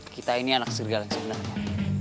kita ini anak serigala yang sebenernya